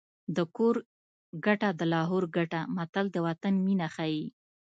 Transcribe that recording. د کور ګټه د لاهور ګټه متل د وطن مینه ښيي